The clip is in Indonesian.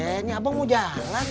ini abang mau jalan